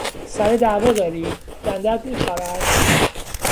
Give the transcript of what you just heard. سر دعوا داری؟ دندهات میخارد؟